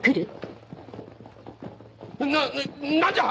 な何じゃ！